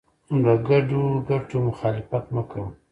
د ګډو ګټو مخالفت مه کوه.